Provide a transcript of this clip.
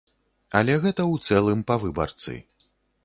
Але гэта ў цэлым па выбарцы.